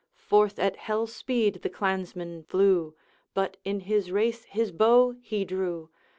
Forth at hell speed the Clansman flew, But in his race his bow he drew.